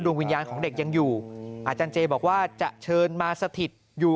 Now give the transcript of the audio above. วิญญาณของเด็กยังอยู่อาจารย์เจบอกว่าจะเชิญมาสถิตอยู่